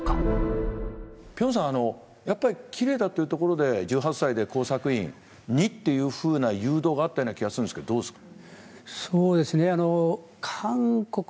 やっぱりキレイだっていうところで１８歳で工作員にっていう誘導があった気がするんですけどどうですか？